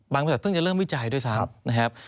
บริษัทเพิ่งจะเริ่มวิจัยด้วยซ้ำนะครับ